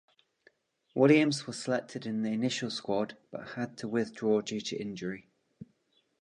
Williams was selected in the initial squad, but had to withdraw due to injury.